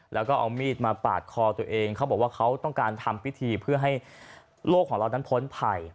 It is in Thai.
แล้วก็เอามีดมาปาดคอตัวเองเขาบอกว่าเขาต้องการทำพิธีเพื่อให้โลกของเรานั้นพ้นภัย